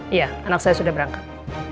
iya anak saya sudah berangkat